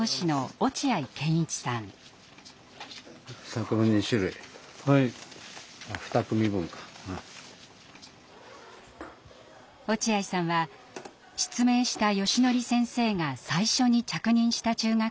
落合さんは失明したよしのり先生が最初に着任した中学校の先輩教師。